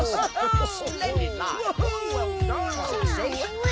うわ！